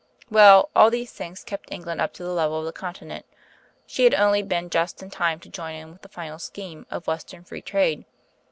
Well, all these things kept England up to the level of the Continent; she had only been just in time to join in with the final scheme of Western Free Trade.